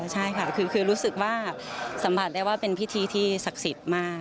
ใช่ค่ะคือรู้สึกว่าสัมผัสได้ว่าเป็นพิธีที่ศักดิ์สิทธิ์มาก